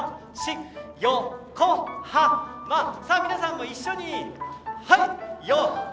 皆さんも一緒に！